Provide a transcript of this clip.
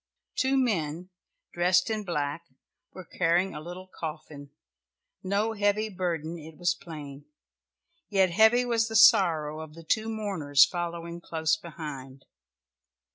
Two men, dressed in black, were carrying a little coffin no heavy burden, it was plain yet heavy was the sorrow of the two mourners following close behind.